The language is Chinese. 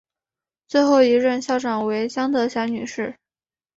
最后一任校长为江德霞女士。